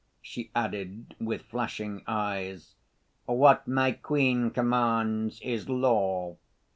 she added with flashing eyes. "What my queen commands is law!"